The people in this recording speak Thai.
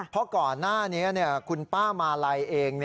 เพราะก่อนหน้านี้คุณป้ามาลัยเอง